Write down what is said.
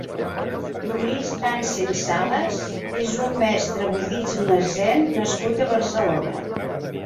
Lluís Nansen Salas és un mestre Budisme Zen nascut a Barcelona.